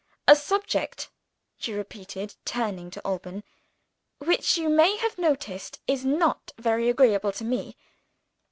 A subject," she repeated, turning to Alban, "which you may have noticed is not very agreeable to me."